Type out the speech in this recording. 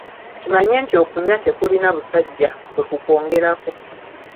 Kimanye nti okunywa tekulina "busajja" bwe kukwongerako.